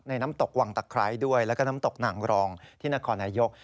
น้ำตกวังตะไคร้ด้วยแล้วก็น้ำตกหนังรองที่นครนายก